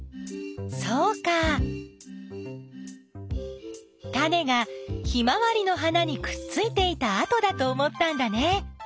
そうかタネがヒマワリの花にくっついていたあとだと思ったんだね。